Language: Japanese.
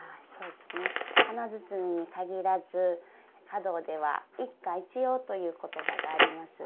華包に限らず、華道では「一花一葉」という言葉があります。